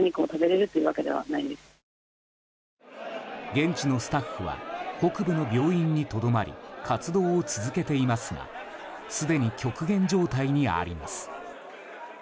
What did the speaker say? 現地のスタッフは北部の病院にとどまり活動を続けていますがすでに極限状態にあります。